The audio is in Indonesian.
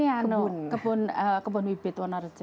ini kebun bibit